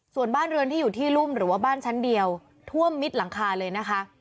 ส่วนบ้านเรือนที่อยู่ที่รุ่มหรือว่าบ้านชั้นเดียวท่วมมิดหลังคาเลยนะคะ